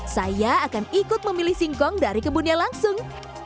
saya akan ikut memilih singkong dari kebunnya langsung